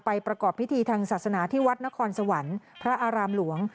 ประกอบพิธีทางศาสนาที่วัดนครสวรรค์พระอารามหลวง